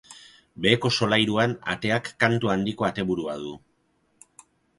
Beheko solairuan ateak kantu handiko ateburua du.